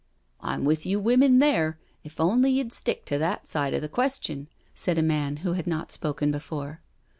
'* I'm with you women there, if only you'd stick to that side of the question/' said a man who had not spoken before.